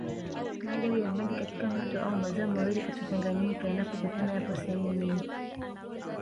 Maajabu ya maji katika mito au maziwa mawili kutochanganyika yanapokutana yapo sehemu nyingi